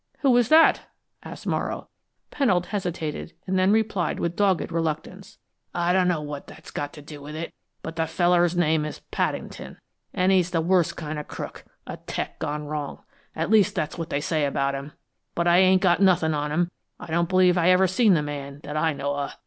"Who was that?" asked Morrow. Pennold hesitated and then replied with dogged reluctance. "I dunno what that's got to do with it, but the feller's name is Paddington, an' he's the worst kind of a crook a 'tec gone wrong. At least, that's what they say about him, but I ain't got nothin' on him; I don't believe I ever seen the man, that I know of.